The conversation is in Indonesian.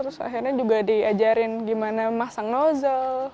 terus akhirnya juga diajarin gimana masang nozzle